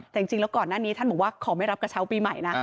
แต่จริงแล้วก่อนหน้านี้ท่านบอกว่าขอไม่รับกระเช้าปีใหม่นะ